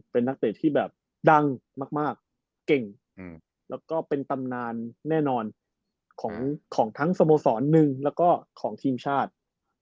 เป็นนักเตะที่แบบดังมากเก่งแล้วก็เป็นตำนานแน่นอนของทั้งสโมสรหนึ่งแล้วก็ของทีมชาติ